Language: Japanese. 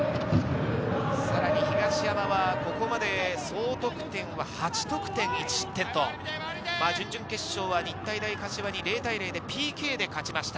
さらに東山はここまで総得点は８得点１失点、準々決勝は日体大柏に０対０でＰＫで勝ちました。